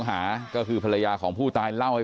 อาบมาให้